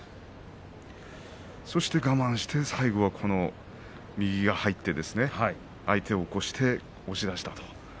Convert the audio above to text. そして我慢して最後右が入って相手を起こして押し出したと。